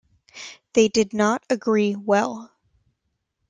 They do not agree well.